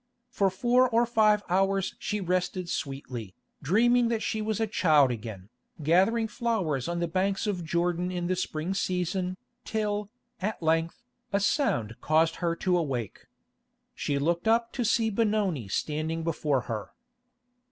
For four or five hours she rested sweetly, dreaming that she was a child again, gathering flowers on the banks of Jordan in the spring season, till, at length, a sound caused her to awake. She looked up to see Benoni standing before her.